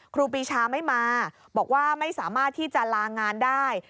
ครูปีชาไม่มาบอกว่าไม่สามารถที่จะลางานได้